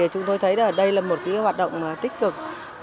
chúng tôi thấy đây là một hoạt động tích cực